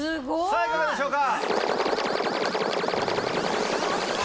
さぁいかがでしょうか？